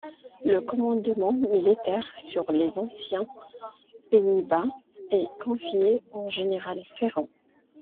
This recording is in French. Le commandement militaire sur les anciens Pays-Bas est confié au général Ferrand.